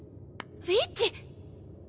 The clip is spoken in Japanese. ウィッチ！